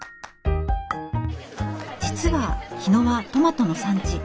実は日野はトマトの産地。